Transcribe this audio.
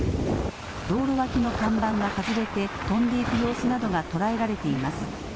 道路脇の看板が外れて飛んでいく様子などが捉えられています。